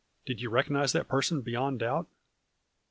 Did you recognize that person beyond doubt